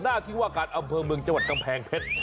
หน้าที่ว่าการอำเภอเมืองจังหวัดกำแพงเพชร